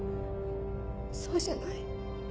そうじゃない。